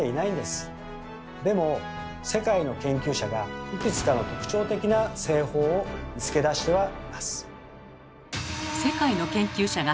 でも世界の研究者がいくつかの特徴的な製法を見つけ出してはいます。